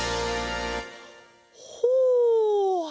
ほう！